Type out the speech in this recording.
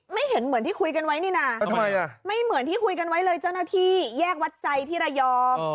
ไม่เห็นเหมือนที่คุยกันไว้นี่นะไม่เหมือนที่คุยกันไว้เลยเจ้าหน้าที่แยกวัดใจที่ระยอง